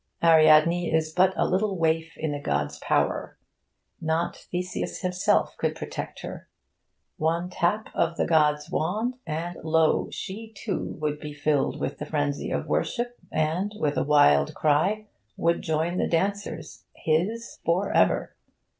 Ariadne is but a little waif in the god's power. Not Theseus himself could protect her. One tap of the god's wand, and, lo! she, too, would be filled with the frenzy of worship, and, with a wild cry, would join the dancers, his for ever.